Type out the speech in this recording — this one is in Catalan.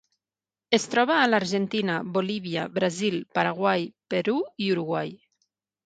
Es troba a l'Argentina, Bolívia, Brasil, Paraguai, Perú, i Uruguai.